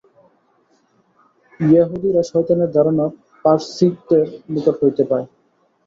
য়াহুদীরা শয়তানের ধারণা পারসীকদের নিকট হইতে পায়।